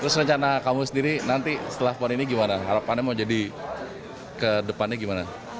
terus rencana kamu sendiri nanti setelah pon ini gimana harapannya mau jadi ke depannya gimana